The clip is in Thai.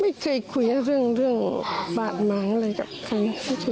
ไม่เคยคุยอะเรื่องเรื่องบาดมางอะไรกับใคร